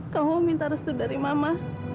kamu minta restu dari mama